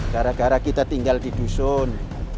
gara gara kita tinggal di dusun